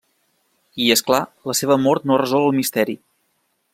I, és clar, la seva mort no resol el misteri.